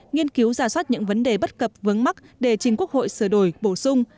nghiên cứu ra soát những vấn đề bất cập vấn mắc để chính quốc hội sửa đổi bổ sung